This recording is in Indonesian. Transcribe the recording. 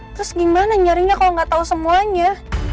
terus gimana nyarinya kalau gak tau semuanya